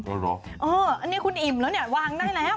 อันนี้คุณอิ่มแล้วเนี่ยวางได้แล้ว